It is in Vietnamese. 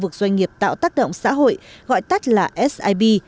khu vực doanh nghiệp tạo tác động xã hội gọi tắt là sip